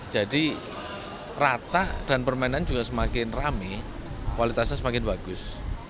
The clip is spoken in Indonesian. jadi rata dan permainan juga semakin rame kualitasnya semakin bagus